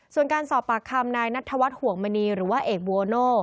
ส่วนการสอบปากคำนายนัทธวัฒนห่วงมณีหรือว่าเอกโบโน่